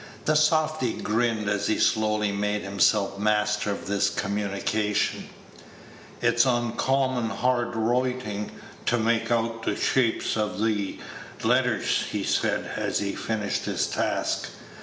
The softy grinned as he slowly made himself master of this communication. "It's oncommon hard wroitin', t' make out th' shapes o' th' letters," he said, as he finished his task.